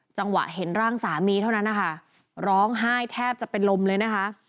จังหวะเห็นร่างสามีเท่านั้นนะคะร้องไห้แทบจะเป็นลมเลยนะคะ